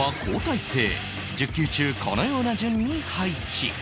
１０球中このような順に配置